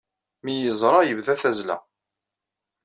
Mi iyi-yeẓra, yebda tazzla.